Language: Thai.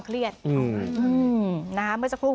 กลับด้านหลักหลักหลัก